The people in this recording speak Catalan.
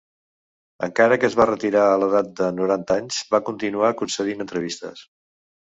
Encara que es va retirar a l'edat de noranta anys va continuar concedint entrevistes.